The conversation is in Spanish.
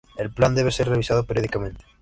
El plan debe ser revisado periódicamente.